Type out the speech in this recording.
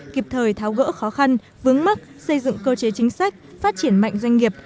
kịp thời tháo gỡ khó khăn vướng mắt xây dựng cơ chế chính sách phát triển mạnh doanh nghiệp